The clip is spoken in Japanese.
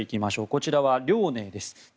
こちらは「遼寧」です。